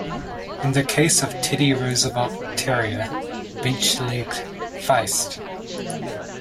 In the case of the Teddy Roosevelt Terrier, "bench legged feist".